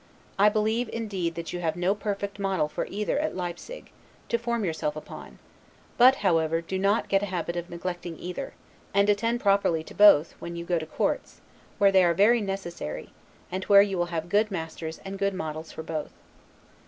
I believe, indeed, that you have no perfect model for either at Leipsig, to form yourself upon; but, however, do not get a habit of neglecting either; and attend properly to both, when you go to courts, where they are very necessary, and where you will have good masters and good models for both.